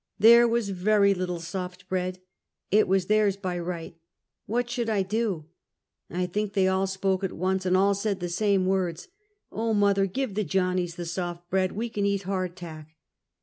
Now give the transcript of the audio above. There was very little soft bread — it was theirs by right; what should I do? I think they all spoke at once, and all said the same words: "Oh, mother! give the Johnnies the soft bread ! we can eat hard tack!"